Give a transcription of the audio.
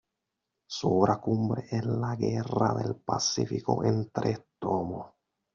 Su obra cumbre es la "Guerra del Pacífico", en tres tomos.